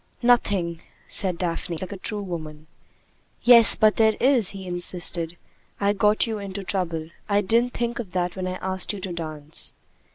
"Nothing," said Daphne, like a true woman. "Yes, but there is," he insisted. "I got you into trouble. I didn't think of that when I asked you to dance."